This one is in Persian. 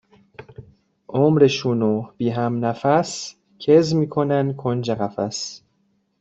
عمرشونو بی همنفس کز می کنن کنج قفس